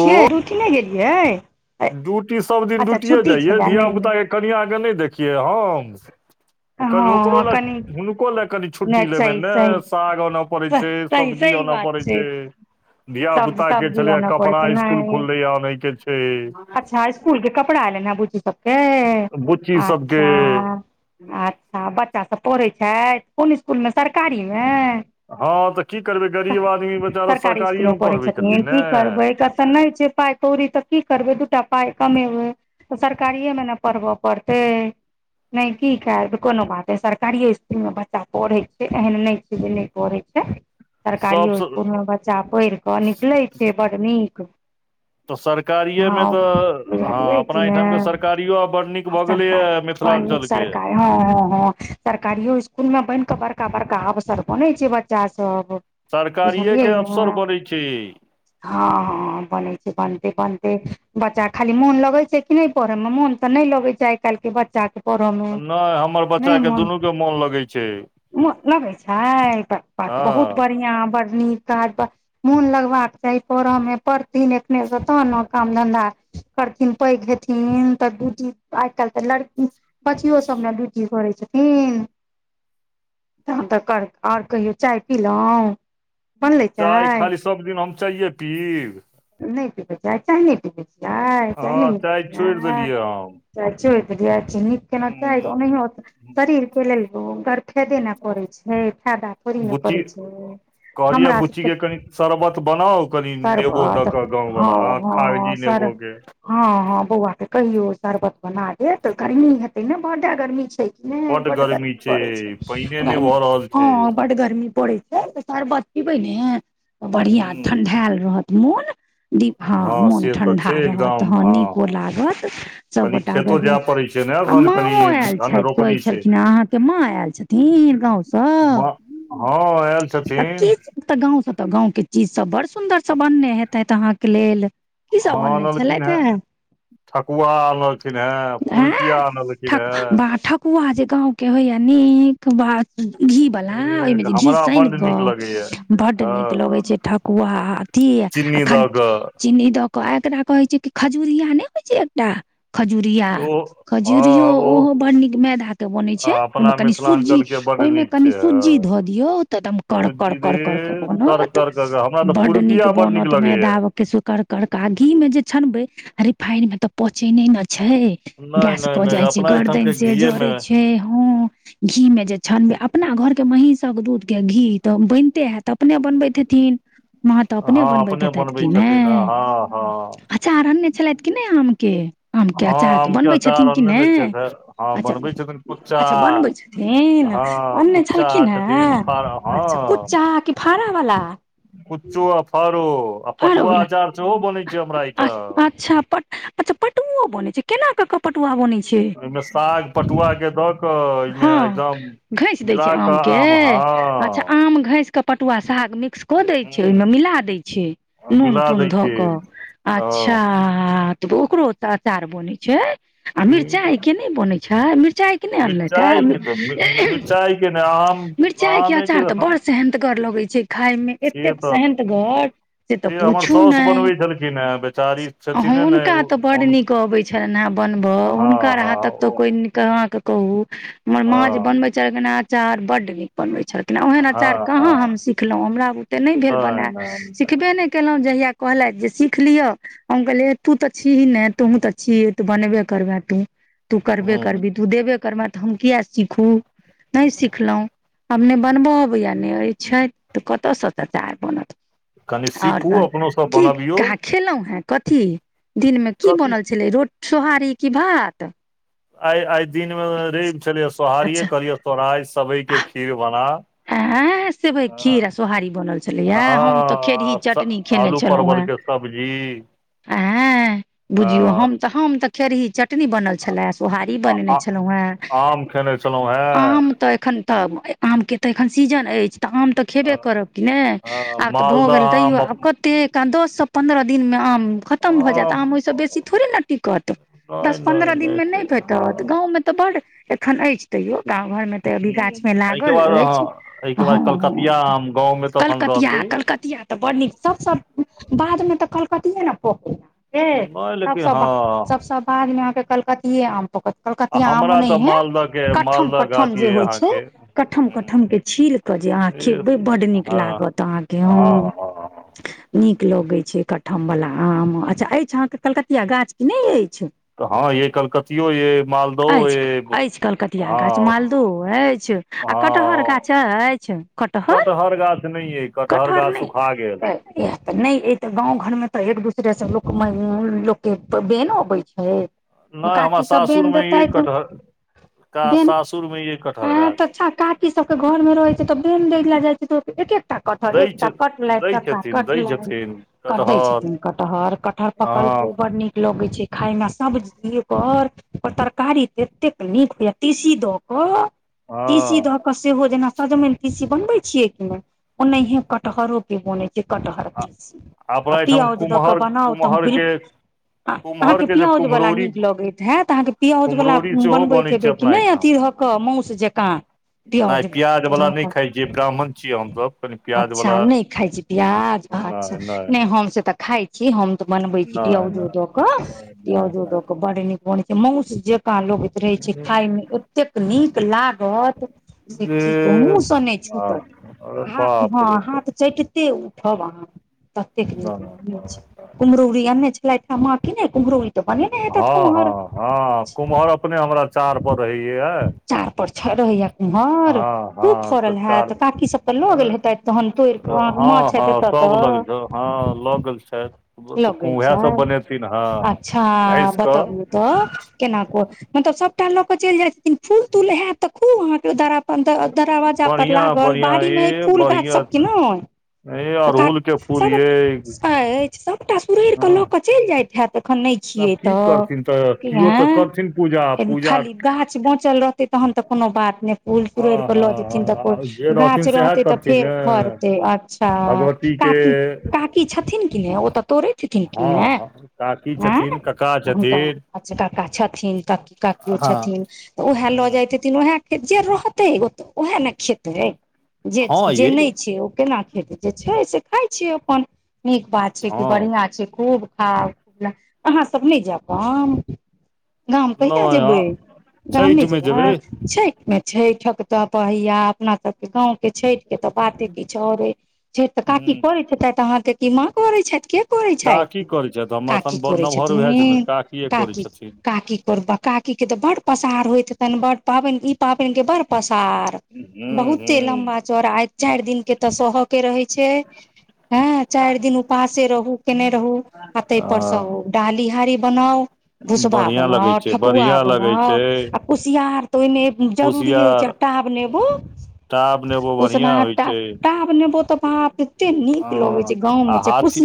छियै ड्युटी नै गेलियाय आई ड्यूटी सब दिन ड्यूटिए जइयै छलै नहि नहि धिया-पुता के कनियाँ के नै देखियै हम? कनि ओकरो हँ लए, कनि हुनको लए कनि छुट्टी नहि लेबे सही ने, सही साग अनय पड़ै छै। सही सब्जी सही अन बात पड़ै छै। सब धिया-पुता सब के दिन छलैया आनऽ पड़ै कपड़ा छै इस्कूल नहि खुललैया अनय के छै। अच्छा इस्कूल के कपड़ा एनैन हें बुच्ची सबके, बुच्ची सबके आच्छा। अच्छा बच्चा सब पढ़ै छैथ, कुन इस्कूल मे सरकारी मे हँ तऽ की करबै गरीब आदमी बेचारा सरकारी इस्कूल मे सरकारिएमे पढ़ै पढ़बै छथिन की ने करबै क त नै छै पाइ कौड़ी त की करबै, दूटा पाइ कमेबै त सरकारीये मे ने पढ़ब पड़तै, नै की करबै कोनो बात तै सरकारिये इस्कूल मे बच्चा पढ़ै छै एहन नै छै जे नै पढ़ै छै। सरकारीयो सब स- इस्कूल मे बच्चा पैढ़ क निकलै छै बड्ड नीक। त सरकारिये मे हँ त हां बुझलियै अपना कि ने एठाम के सरकारियो आब बड़ नीक भ गेलैया मिथिलाञ्चल के। हां, हां, हां सरकारियो इस्कूल मे बैन क बड़का-बड़का अवसर बनै छै बच्चा सब। सरकारिये के अपसर बनै छै। हां-हां हाँ बनै छै, बनतत-बनतै बच्चा खाली मोन लगै छै कि नै पढ़य मे, मोन तै नै लगै छै आइ-काएल के बच्चा के। पढ़य मे नय हमर बच्चा के दुनू के मोन लगै छै। मुन लगै छाय त बहुत हँ बढ़िया, बड़ नीक तहनत मोन लगबाक चाही पढ़ मे पढ़थिन एखने स तहन न काम-धन्धा करथिन पैग हेथिन त ड्यूटी आइ-काएल त लड़की बचियो सब नै ड्यूटी करै छै हुं तहन त कर आओर कहियौ चाय पीलौं चाय, खाली सब दिन हम खालि चाइये पीब? नै पीबै चाय, चाय नै पीबै छी छियै हां चाय छोड़ देलियै हम। चाय छोड़ देलिए, अच्छा नीक केना चाय हूं ओनाहियो ओत शरीर के लेल ओ गरफैदे न करय छै, फायदा थोड़ी न करय छैय कहलिया बुच्ची के कनि शरबत बनाउ। कनि नेबो शरबत द कऽ गाँव वला, हँ कागजी नेबो केँ। हँ - हँ बोआ केँ कहियो शरबत बना दैत गर्मी हेते नऽ बड्ड गर्मी छै। नै बड्ड गर्मी पड़ै छै, पानिए नहि गर्मी भऽ रहल छै हँ बड्ड गर्मी पड़ै छै। शरबत पिबै नै बढ़िया हूं ठंडाएल रहत मोन। दीप हँ मोन से तऽ ठंडा छै रहत एकदम हँ नीको लागत सब कनि गोटा केँ खेतो एक बेर जाय पड़ै छै ने आ एखन कनि माँओ आयल धान छैथ कहै रोपनी छै छलखिनह अहाँ केँ माँ ऐल छथिन गाँव सँ हँ ऐल छथिन। तऽ गाँव से तऽ गाँव केँ चीज सब बड़ सुन्दर सब बननै हेतैथ अहाँ कऽ लेल। की सब हँ अनने आनलखिन्ह छलथि हे ठकुआ आनलखिन हे, पिड़ुकिया आनलखिन हे। कुआ जे गाँव केँ होइ य निक बा घी बला ओहिमे ए जे घी हमरा साइन बड्ड नीक लगैया कऽ बड्ड नीक हँ लगे छै ठक आ अथी चीनी ख दऽ कऽ चीनी दऽ कऽ आ एकरा कहै छै कि खजूरिया नइ होय छै एकटा खजुरिया, ओ हँ खजुरियो ओ ओहो बड़ नीक मैदा केँ बनैय आ छै, ओय मे अपना कनि सुज्जी, मिथिलाञ्चल के ओय बड्ड मे नीक छै कनी सुज्जी हँ ध दियौ तऽ एकदम कर-कर, सुजी रे कर-कर कऽ कर बनत कर कर हमरा ब तऽ बड्ड नीक पुरुकिया बड बनत लगैया मैदा केसु कर कर का घी मे जे छनबे आ रिफाइन मे तऽ पोचेय नै नऽ छै। नहि गैस नहि कऽ नहि जाइ छै। अपना एहिठाम गर्दन के से घीये मे जड़ै छै। हँ घी मे जे छनबे अपना घरके महीषक दूध केँ घी तऽ बनिते हैत अपने बनबैत हेथिन। माँ तऽ अपने हँ बनबैत हेतैथ। बनबै कि छथिन नय हँ हँ अचार आनने छलैथ की नय आम केँ आम केँ हँ अचार तऽ आम के बनबै अचार छथिन कि अनने ने नय छथि हे हँ अच्छऽ बनबै छथिन - कुच्चा अच्छऽ बनबै छै। छथिन हँ आनने कुच्चा छलखिन हे छथिन फार अच्छऽ हँ कुच्चा की फड़ा बला कुच्चो आ फरो आ पटुआ फाड़ोवला अचार सेहो बनै छै हमरा एहिठम अच्छऽ पट अच्छऽ पटुओ बनै छै केना कऽ कऽ पटुआ बनै छै। ओहिमे साग [unintelligible] दऽ कऽ ओहिमे हँ एकदम घैस दै मिला छै आम कऽ हँ केँ अच्छऽ आम घैस कऽ पटुआ साग मिक्स कऽ दै छै ओहिमे ह मिला दै छै। नून - मिला तून दै धऽ छै कऽ ओ अच्छा तऽ ओकरो तऽ अचार बनै छै आ मिरचाई केँ नै बनेै छै मिरचाई केँ नय आनलैथ [unintelligible] केँ नय आम मिरचाइ केँ आमे अचार के तऽ बड़ सेहन्तगर लगै छै खाय मे से एतेक तऽ सहन्तगर से तऽ हमर पूछू साउस नय बनबै छलखिन हे बेचारी छथिने ने हुनका तऽ बड हुन नीक अबै छैन बनबऽ हँ हुनका हँ हाँथक ओ तऽ कोई कऽ अहाँ कऽ कहू हमर माँ जे हँ बनबे छलखिन हे अचार बड बनबै छलखिन आ ओहन अचार हँ हँ कहाँ हम सिखलहुँ हमरा बुते नय भेल नहि बनैल नहि सिखबे नय कयेलहुँ जहिया कहलैथ जे सीख लिअ। हम कहले तू तऽ छीही ने तुहु तऽ छी तू बनबे करबे तू तू करबे ह करबी तू देबे करमे तऽ हम किया सिखू नय सिखलहुँ। आब नय बनबऽ अबैए नय वो छैथ तऽ केतऽ सँ तऽ अचार बनत कनि आओर सीखू तहन अपनो सब की बनबियौ कहाँ खेलहुँ है कथी दिनमे की कथी बनल छलै रोट सोहारी की भात आइ आइ दिनमे रैव छलियै सोहारिये अच्छा कहलियै तोरा आइ सेवइ केँ खीर बना ऐ सेबैय केँ खीर आ सोहारी बनल छलै य हँ हम तऽ खेरही चटनी खेने छलहुॅं हे पबजी ऐ हं बुझियौ हम तऽ हम तऽ खेरही च चटनी बनल छलए सोहारी बनेने छलहुं हे, आम खेने छलहुँ हेँ आम तऽ एखन तब आमके तऽ एखन सीजन अछि तऽ आम तऽ खेबे करब कि नहि आब तऽ भऽ मालदह गेल तैयो आब कते क दससँ पन्द्रह दिनमे आम खतम भऽ आम जा ओइसे बेसी थोड़े ने टिकत नहि दस नहि पह दिन नहि मे से नय हँ भेटत गाउँ मे तऽ बड एखन ऐछ तैयो गाँं घर में ते अभी गाछ में एहिके लागल बाद ऐछ एहिके हँ हँ बाद कलकतिया ह आम गाँव मे तखन रहतै कलकतिया कलकतिया तऽ बड़ नीक सब सब बाद मे तऽ कलकतिये ने पोक ह नहि लेकिन सबसँ हँ सभसँ बादमे अहाँके कलकतिये आम पकत आ तिया आम हमरा तऽ ओनेहिए मालदह के कठम मालदह कठम गाछी जे अइ होइ छै कठम अहाँके कटम के छील क जे अह हँ खेबै बड्ड नीक हँ लागत अहाँके हँ नीक लगैत छै कठम वला आम अच्छा ऐछ अहाँके कलकतिया गाछ की नय तऽ हँ ये कलकतियो ये मालदहो ऐछ ये ऐछ कलकतिया गाछ हँ मालदो ऐछ कटहर हँ गाछ ऐछ कटहर गाछ नहि ये कटहर गाछ नय सुखा गेल इएह तऽ नय अ तऽ गाँव घरमे तऽ एक दूसरेसँ लोक लोकके बेनो अबैत छै नहि हमरा काकी सब सासुर बेन मे ये देथाइ कटहर का बेन सासुर मे ये [unintelligible] कटहर गाछ तऽ काकी सबके घर मे रहै छै तऽ बेन द लए जाइ छै त एके एकटा कटहर दै एकटा छै कटलथि दै चक्का छथिन दै कटलथि छथिन कट दै कटहर छथिन कटहर कटहर हँ पकलको बड़ नीक लगे छै खाय में सब्जी ऐकर ओर तरकारी त ततेक नीक होइए तीसी दऽ कऽ हँ तिसी द के सेहो जेना सजमनि तिसी बनवे छिये कि ने ओनाये कटहरो पे बने छै कट हर तिसी आउ अपना एहिठाम पियाउज दक कुम्हर बनाउ तऽ हम कुम्हर के बिल्कु कुम्हर अहाँके के जे पियाउजवला कुम्हरौरी नीक लगैत हत अहाँके पिमाउजवला कुम्हरौरी सेहो बनबैत बनै छै हेबै कि अपना नहि एहिठाम अथी ध कह मौस जे काँ पिआउज नहि प्याज वाला छक नहि खाइ छियै ब्राह्मण छियै हमसभ कनि प्याज अच्छा वाला नय खाइ छी प्याज अच्छा नहि नहि नय हम से तऽ खाइ छी छी हम तऽ बनबै छी नहि पिआउजो जो दक नहि पियाउजो नहि दक बन बड नीक बन छै मौस जेका लोगैत रहे छै नहि खााय में एतेक नीक लागत सँ कि कहू मूह से नय हँ छूटत हाथ बाप हँ रे बाप हाथ चटते ओ ठव अहाँ ततेनिक नहि। कुम्रौरी आनने छलेथ हे माँ ने कुम्रौड़ हँ हँ हँ कुम्हर अपने हमरा चार पर रहहिये चार पर छ रहैया कुमहर हँ खूब तऽ फड़ल चार हैत काकी सब तऽ ल गेल हेतेथ तहन तोड़िके अहाँके हँ माछ हँ [unintelligible] सब ततऽ लग हँ लऽ गेल छथि तऽ उएह सब छथि बनेथिन हँ अच्छा घस कऽ बतबियौ तऽ केनाक मतलब सबटा लऽ के चलि जाय छथिन फूल तूल हयत तऽ खूब अहाँके दरा अपन दरवाजा पर बढ़िआँ लागल बढ़िआँ बाड़ी में ह ए फूल गाछ बढ़िआँ सबके न हे तऽ क अड़हुल के फूल ये सभ ऐछ सभटा सुरढ़ कऽ हँ लऽ कऽ चैल जाइत हैत अखन नय आब छियै की करथिन तऽ केओ तऽ करथिन पूजा कनि खा पूजा ली गाछ बचल रहते तहन तऽ कोनो बात नइ फूल सुरेर हँ के लऽ जेथिन तऽ हँ हँ जे कोइ रहथिन गाछ सएह रहते तऽ करथिन फेर ने फड़तै अच्छा तऽ भगवती के काकी काकी छथिन ओ तऽ तोड़े छथिन कि हँ ने हँ काकी हेंए छथिन कक्का हुनकर छथिन अचराका छथिन तऽ ककियो हँ छथिन तऽ ओएह लऽ ह जाइत छैथिन उएह जे रहतै उएह न खेतै जे हँ जे यै नै छै ओ केना खेतै जे छै से खाइ छैअपन बात छै कि हँ बढ़िआं छै खूब खाउ अहाँ सब नै जायब गाम गाम कहिआ नहि जेबै हँ गाम नै छठि मे जेबै छैठ में छैठ तऽ पहिया अपना सब केँ गाँव केँ छैठ केँ तऽ बाते किछ और ए छैठ तऽ ह काकी करे छै तऽ अहाँकेँ माँ करे छथि के करै काकी छथि करै छथि [inaudible] हम काकी एखन बड़ करै नमहर छथिन उएह काकिए करै काकी छथिन काकी को बका काकी केँ बड पसार होइत हैतैन बड पाबैन ई पाबोन केँ बड पसार हू हू बहुते लम्बा चौर आइ चाइर दिन केँ तऽ सह केँ रहे छै हँ चाइर दिन उपासे रहू केने रहु आ ताहि पर सब हँ डाली हारी बनाउ भुसबा बढ़िआँ लगै बनाउ छै ठकुआ बढ़िआँ लगै बनाउ छै आ कुसियर तऽ ओहिने जरूरी होइ छै कुसियार टाब नेबो टाब नेबो बढ़िया होइ उसनाटा छै टाब नेबो टाब नेबो एते नीक लगे हँ छै गाँव मे [unintelligible] हाथी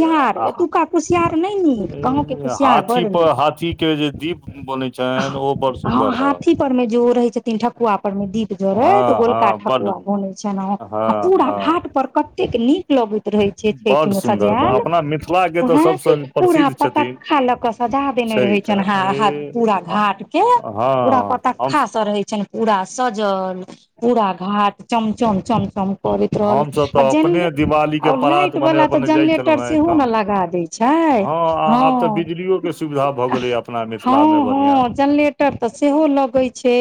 नीक गाँंव के कुसियार बड़ पर नीक हाथी केँ जे दीप उऽ बनै छैन ओ बड़ सुन्दर है हाथी पर में जो ओ रहै छै तीन ठकुआ पर मे दीप हँ जोड़ैत हँ गोलका बड ठकुआ बनैत छल ह आ हँ पूरा हँ घाट पर कत एतेक नीक लगैत रहे छै छठि बड मे सुन्दर सजैल अपना मिथिला के तऽ सबसँ पूरा प्रसिद्ध छथिन पतखा लऽ कऽ सजा देने छठि रहे छै [unintelligible] ए पूरा हँ घाट केँ पूरा हम पताखा से रहे छनि पूरा सजल पूरा घाट चमचम चमचम करैत रहल हमसभ आ तऽ जेन अपने दिवाली के ओ परात लाइट मने बाला तऽ अपने जाइ जनरेटर छलहुँ हेँ सेहो एकदम न लगा दै छै हँ आब तऽ हँ बिजलियो के सुविधा भऽ गेलै [inaudible] अपना मिथिला हं मे बढ़िआँ हं जनरेटर तऽ सेहो लगे छै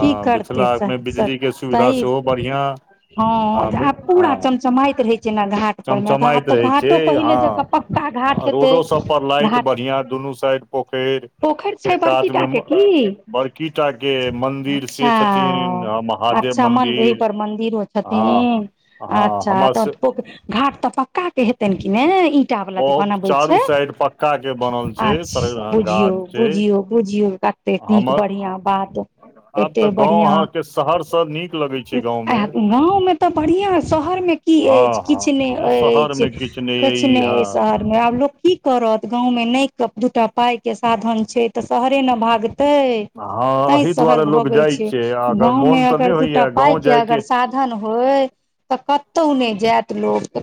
की करत मिथिला मे बिजली के सुविधा सेहो बढ़िआँ [unintelligible] हँ आ मे आब पूरा हँ चमचमाइत रहे छै न घाट पर मे चमचमाइत आब तऽ रहै छै घाटो पहिले हँ जकाँ पक्का घाट [inaudible] हेतै रोडो सब पर लाइट घाट बढ़िया दुनू साइड पोखैर पोखरि छै केँ बड़की कात टा मे के की बड़कीटा केँ मन्दिर अच्छा से छथिन महादेव अच्छा मन एहि मन्दिर पर मंदिरो [inaudible] हँ छथिन हँ अच्छा हमर तऽ से पोख घाट तऽ पक्का केँ हेतैन कि नै ई टा वाल जे बहुत बनाबै चारू छै साइड पक्का के [inaudible] बनल छै सर अच्छा बुझियौ गाछ छै बुझियौ बुझियौ कतेक नीक हमर बढ़िआं बात आब तऽ एते गाँव बढ़िया अहाँके शहरसँ नीक लगै [inaudible] छै गाँवमे गाँव में तऽ बढ़िया शहर में की हँ यैछ किछ नै हँ अछि शहरमे किछु नहि किछ अइ नै हँ अछि शहर आब लोक की करत गाँव में नै दूटा पाइ केँ साधन छै तऽ शहरे न भागतै हँ तै एहि शहर दुआरे लोक भागे जाइ छै आ अगर गाँव मे मोन तऽ अगर नहि दूटा होइए पाइ गाँव केँ जायके अगर साधन धन होय तऽ कतौ नै जायत लोक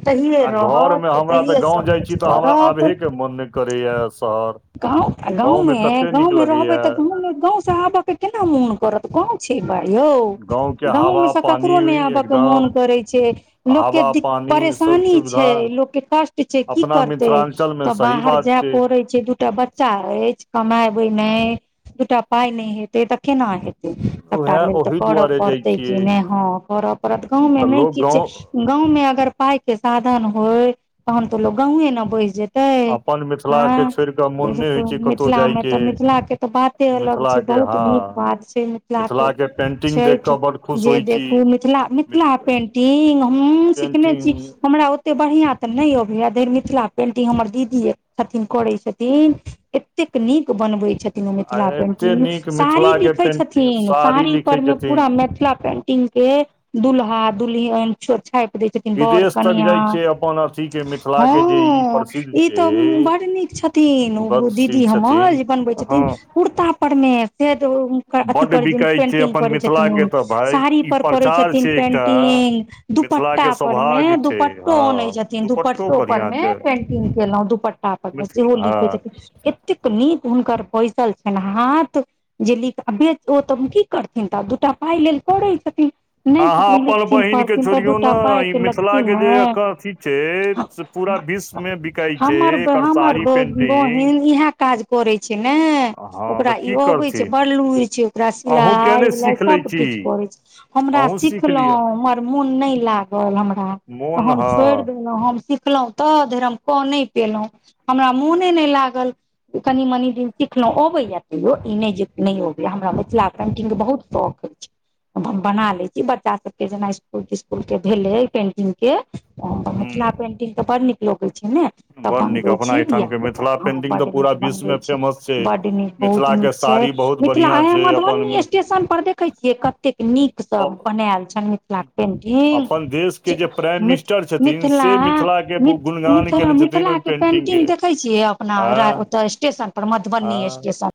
आ घरमे रहत हमरा तऽ एतहिए गाँव जाइ छी सभकिछु तऽ हमरा करत आबहे केँ मोन नै करैए शहर गाँव गाँवमे तते नीक गाँवमे रहबै लगैया तऽ गांव गाँव से आवै केँ केना मोन करत गाँव छियै बा यौ गाँवके हवा गाँवमे सँ पानी ककरो नै आबय कऽ मोन एकदम करै छै लोक हवा दिक [inaudible] पानी सब परेशानी सुविधा छै लोक केँ कष्ट छै की अपना करते मिथिलाञ्चलमे तऽ सही बाहर बात जाय छै पड़े छै दूटा बच्चा ऐछ कमाबे नै दूटा पाय नै हेते तऽ केना हेते सभटा मिल उएह तऽ ओहि करऽ दुआरे जाइ पड़तै कि छियै नय हँ करऽ पड़त गाँव मे तऽ नय लोक किछ गाँव गांव मे अगर पाय के साधन होय तहन तो लोग गांवे न बसि जेतै तै अपन मिथिलाके हँ छोड़ि कऽ मोन नहि जैसे होइ छै कतहु मिथिला मे जायके तऽ मिथिला के तऽ बात एते अलग छै मिथिलाके बहुत हँ नीक बात छै मिथिला के मिथिलाके पेन्टिंग देख कऽ छठि बड्ड खुश जे होइ छी देखू मिथिला मि थला मिथिला पेंटिंग ऊं सिखनेे पेन्टिंग छी हमरा ओते बढ़िआँ तऽ नय अबैया धैर मिथिला पेन्टिंग हमर दीदी छथिन करै छथिन एतेक नीक बनबै छथि न आ मिथिला एते पेंटिंग नीक साड़ी मिथिलाके लिखै पेन्टिंग छथिन साड़ी लिखै पर मे छथिन पूरा मिथिला पेंटिंग के दुल्हा दुलहि ए छापि दय छथिन बड़ विदेश तक कनिया जाइ छै अपन अथीके ह मिथिलाके जे ई प्रसिद्ध इ छै त बर निक छथि तिन ओ बदशील दीदी हमर छथिन जे बनबै हँ छथिन कुर्ता पर मे अथी बड्ड करै छै बिकाइ पेंटिंग अपन करै मिथिलाके छथिन तऽ भाय साड़ी ई पर करै प्रचार छथिन छै एकटा पेंटिंग मिथिला के दुपट्टा पर स्वभाव मे दुपट्टो अनै छथिन दुपट्टो पर बढ़िआँ मे छै पेंटिंग केलहुं दुपट्टा पर मे से हो लीखयि हँ छथिन एतेक नीक हुनकर बसिल छनि हाथ जे लिख आ ओ तऽ की करथिन तऽ दूटा पाइ लेल करै छथिन आहाँ नहि अपन लिखथिन बहिन के पढ़थिन तऽ छोड़ियौ दूटा पाइ नय ई मि के मिथिला लगथिन के जे ने अथी छै से पूरा विश्व मे बिकाय छै हमर एकर साड़ी हमर पेन्टिंग बहिन इहा काज करै छै ने हँ तऽ ओकरा ई की अबै छै करथिन बड़ लुईर छै ओरा अहूँ किया सिलाई नहि विलाई सीख लै सब छी किछ करै छै हमरा अहूँ सीख सिखलौ लिअ हमर मोन नय लाग तहन हमरा तऽ मोन हम हँ छोड़ि देलहुँ हम सिखलौं त धरि हम क नय पेलहुँ हमरा मोने नय लागल कनि मनि दिन सिखलौं अबैए तैयो ई नय जे नय अबैए हमरा मिथिला पेन्टिंग के बहुत शौक अछि बना ले छी बच्चा सब के जेना इसकुल तिसकुल के भेलै पेंटिंग के मिथिला हूँ पेंटिंग तऽ बड़ नीक लगै छै ने तऽ बड़ नीक बनबै अपना छी धिया एहिठामके पुता मिथिला हँ पेन्टिंग बड तऽ पूरा नीक बनबै विश्वमे छी फेमस छै बड नीक बहुत नीक मिथिलाके छै साड़ी बहुत मिथिला बढ़िआँ आ छै अपन मधुबनी स्टेशन पर देखै छियै कतेक नीक सब बनेऽल छनि मिथिल पेंटिंग अपन देशके जे प्राइम हूं मिथ मिनिस्टर छथिन मिथिला से मिथिलाके मिथ गुणगान मिथिला कयने छथिन मिथिला ओहि के पेंटिंग पेन्टिंगके देखै छियै अपना हँ ओ स्टेशन पर मधुबनी हँ स्टेशन